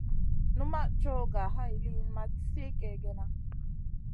Numaʼ coyh ga hay liyn ma sli kègèna.